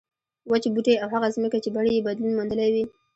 وچ بوټي او هغه ځمکې چې بڼې یې بدلون موندلی وي.